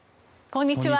こんにちは。